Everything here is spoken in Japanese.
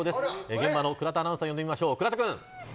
現場の倉田アナウンサーを呼んでみましょう倉田君。